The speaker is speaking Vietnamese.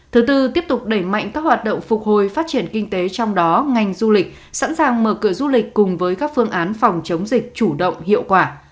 thứ tư tiếp tục đẩy mạnh các hoạt động phục hồi phát triển kinh tế trong đó ngành du lịch sẵn sàng mở cửa du lịch cùng với các phương án phòng chống dịch chủ động hiệu quả